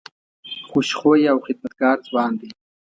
خوش خویه او خدمتګار ځوان دی.